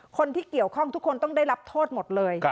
คนที่เกี่ยวข้องทุกคนต้องได้รับโทษหมดเลย